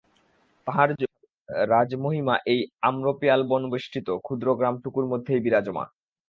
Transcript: তাঁহার রাজমহিমা এই আম্রপিয়ালবনবেষ্টিত ক্ষুদ্র গ্রামটুকুর মধ্যেই বিরাজমান।